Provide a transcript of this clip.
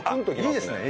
いいですね